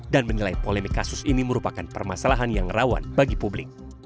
dan menilai polemik kasus ini merupakan permasalahan yang rawan bagi publik